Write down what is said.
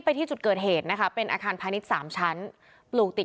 ที่จุดเกิดเหตุนะคะเป็นอาคารพาณิชย์สามชั้นปลูกติด